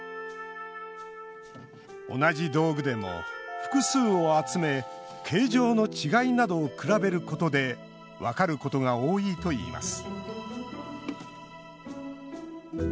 同じ道具でも、複数を集め形状の違いなどを比べることで分かることが多いといいます